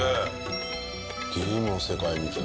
ゲームの世界みたい。